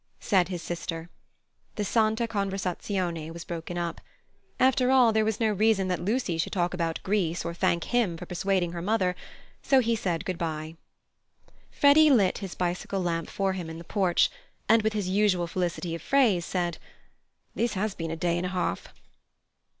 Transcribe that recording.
said his sister. The Santa Conversazione was broken up. After all, there was no reason that Lucy should talk about Greece or thank him for persuading her mother, so he said good bye. Freddy lit his bicycle lamp for him in the porch, and with his usual felicity of phrase, said: "This has been a day and a half."